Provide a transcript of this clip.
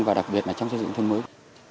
và đặc biệt là trong xây dựng thông mới